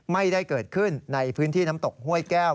ไม่ได้เกิดขึ้นในพื้นที่น้ำตกห้วยแก้ว